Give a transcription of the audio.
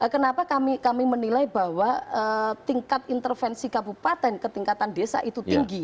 kenapa kami menilai bahwa tingkat intervensi kabupaten ketingkatan desa itu tinggi